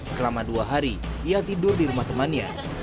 selama dua hari ia tidur di rumah temannya